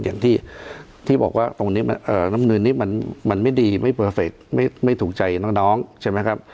อย่างที่บอกว่าน้ำนุนนี้มันไม่ดีไม่ปอเฟกท์ไม่ถูกใจน้องนะครับ